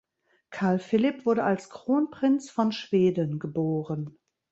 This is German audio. Carl Philip wurde als Kronprinz von Schweden geboren.